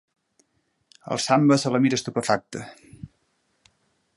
El Samba se la mira estupefacte.